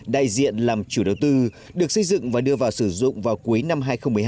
đại diện làm chủ đầu tư được xây dựng và đưa vào sử dụng vào cuối năm hai nghìn một mươi hai